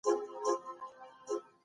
کیمیا ورپسې خپله لاره ونیوله.